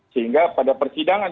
sehingga pada persidangan